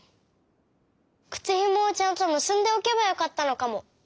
くつひもをちゃんとむすんでおけばよかったのかも。